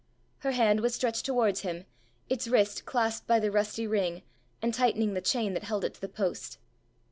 Her hand was stretched towards him, its wrist clasped by the rusty ring, and tightening the chain that held it to the post.